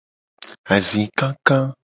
Azi kaka.